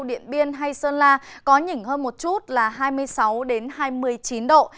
điện biên hay sơn la có nhỉnh hơn một chút là hai mươi sáu hai mươi chín độ